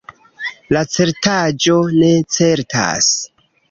La certaĵo ne certas.